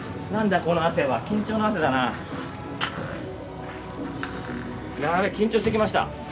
この汗は緊張の汗だなヤベえ緊張してきました